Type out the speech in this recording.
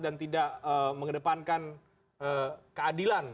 dan tidak mengedepankan keadilan